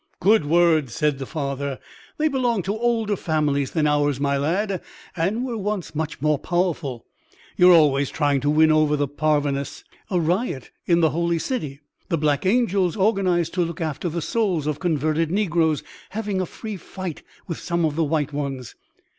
"Good words," said the father; "they belong to older families than ours, my lad, and were once much more powerful. You are always trying to win over the parvenus." "A riot in the holy city. The black angels organised to look after the souls of converted negroes having a free fight with some of the white ones.